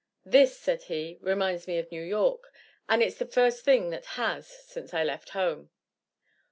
"This," said he, "reminds me of New York; and it's the first thing that has, since I left home."